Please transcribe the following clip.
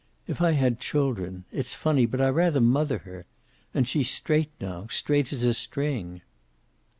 If I had children it's funny, but I rather mother her! And she's straight now, straight as a string!"